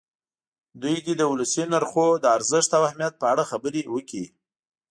دوی دې د ولسي نرخونو د ارزښت او اهمیت په اړه خبرې وکړي.